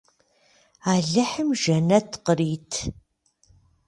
Alıhım jjenet khırit.